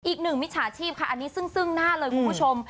มิจฉาชีพค่ะอันนี้ซึ่งหน้าเลยคุณผู้ชม